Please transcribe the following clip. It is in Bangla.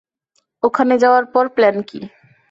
ওখানে যাওয়ার পর প্ল্যান কি?